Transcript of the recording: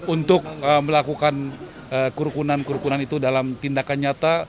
untuk melakukan kerukunan kerukunan itu dalam tindakan nyata